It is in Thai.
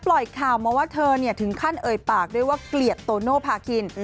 ปล่อยข่าวมาว่าเธอถึงขั้นเอ่ยปากด้วยว่าเกลียดโตโนภาคิน